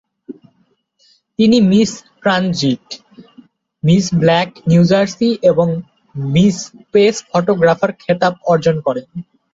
তিনি Miss Transit, Miss Black New Jersey এবং Miss Press Photographer খেতাব অর্জন করেন।